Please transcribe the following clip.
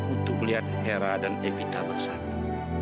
untuk melihat hera dan evita bersatu